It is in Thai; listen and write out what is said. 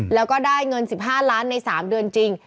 แล้วก็ได้เงิน๑๕ล้านใน๓เดือนจริง